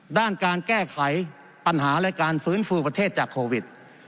ด้านการแก้ไขปัญหาและการฟื้นฟูประเทศจากโควิด